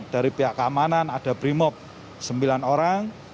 dari pihak keamanan ada brimop sembilan orang